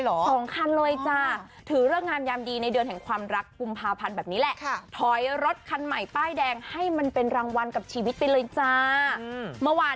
และแก๊ปเปอร์พีคจ้า